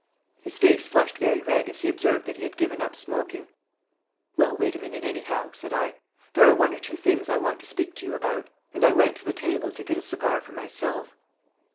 His face flushed very red as he observed that he had given up smoking. "Well, wait a minute, anyhow," said I. "There are one or two things I want to speak to you about." And I went to the table to get a cigar for myself.